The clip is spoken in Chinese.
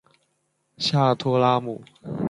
下托拉姆。